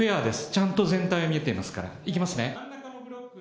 ちゃんと全体見えてますから、いきますね。